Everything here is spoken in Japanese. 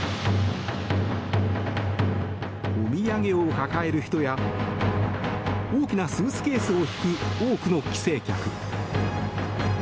お土産を抱える人や大きなスーツケースを引く多くの帰省客。